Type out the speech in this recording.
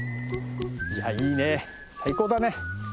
いやいいね最高だね。